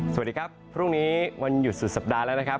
สวัสดีครับพรุ่งนี้วันหยุดสุดสัปดาห์แล้วนะครับ